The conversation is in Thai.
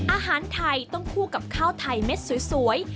อาหารไทยต้องคู่กับข้าวไทยเม็ดสวย